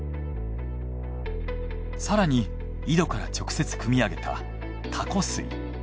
更に井戸から直接汲みあげた多古水。